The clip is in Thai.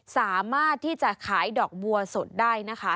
สามารถที่จะขายดอกบัวสดได้นะคะ